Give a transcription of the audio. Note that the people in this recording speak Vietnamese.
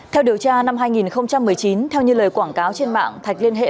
theo điều tra năm hai nghìn một mươi chín theo như lời quảng cáo trên mạng thạch liên hệ